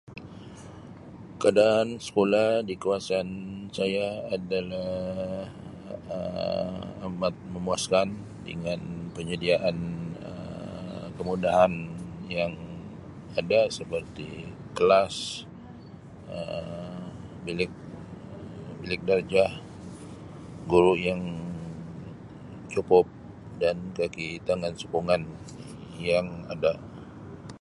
Keadaan sekolah di kawasan saya adalah Um amat memuaskan dengan penyediaan Um kemudahan yang ada seperti kelas Um bilik bilik darjah guru yang cukup dan kakitangan sokongan yang ada.